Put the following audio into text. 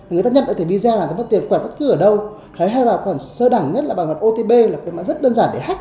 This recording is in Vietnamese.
người ta nhận thẻ visa là bạn đã mất tiền khỏe bất cứ ở đâu hay là khoản sơ đẳng nhất là bảo mật otp là cái mạng rất đơn giản